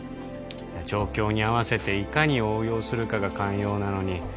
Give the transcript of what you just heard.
状況に合わせていかに応用するかが肝要なのに